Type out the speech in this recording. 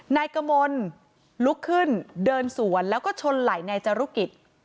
นายกมลลุกขึ้นเดินสวนแล้วก็ชนไหล่นายจรุกิจ